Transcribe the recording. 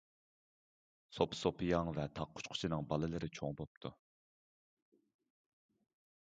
سوپىسوپىياڭ ۋە تاغ قۇشقىچىنىڭ بالىلىرى چوڭ بوپتۇ.